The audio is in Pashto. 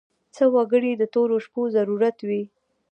څه وګړي د تورو شپو ضرورت وي.